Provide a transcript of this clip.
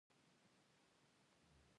شاروخ خان ته د هندي سينما بادشاه وايې.